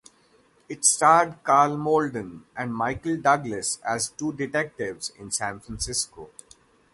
It starred Karl Malden and Michael Douglas as two detectives in San Francisco.